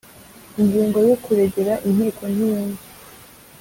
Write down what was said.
ingingo y ukuregera inkiko ntiyumva